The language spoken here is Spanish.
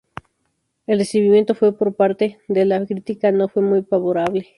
El recibimiento por parte de la crítica no fue muy favorable.